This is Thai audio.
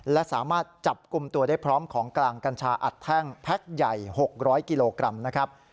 และสามารถจับกลุ่มตัวได้พร้อมของกลางกัญชาอัดแท่งแพ็คใหญ่๖๐๐กิโลกรัมนะครับ